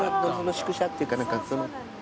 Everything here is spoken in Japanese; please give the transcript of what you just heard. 宿舎っていうか。